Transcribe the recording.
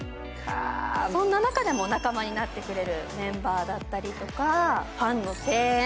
そんな中でも仲間になってくれるメンバーだったりとかファンの声援